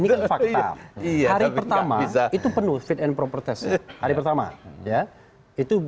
karena hari pertama itu penuh fit and proper test ya hari pertama ya itu